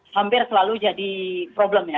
hampir selalu jadi problem ya